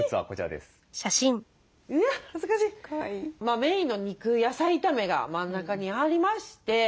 メインの肉野菜炒めが真ん中にありまして。